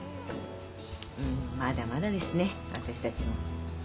まだまだですね私たちも。